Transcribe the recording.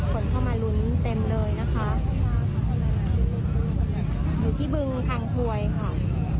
คนเข้ามาลุ้นเต็มเลยนะคะอยู่ที่บึงทางถวยค่ะ